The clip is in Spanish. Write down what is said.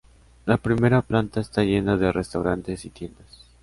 La primera planta está llena de restaurantes y tiendas.